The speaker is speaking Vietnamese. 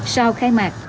sau khai mạc